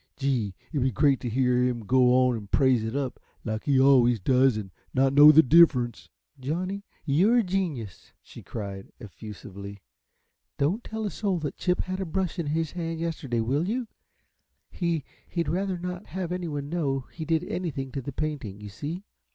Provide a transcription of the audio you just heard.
Gee, it'd be great t' hear 'im go on an' praise it up, like he always does, an' not know the diffrunce." "Johnny, you're a genius," cried she, effusively. "Don't tell a soul that Chip had a brush in his hand yesterday, will you? He he'd rather not have anyone know he did anything to the painting, you see."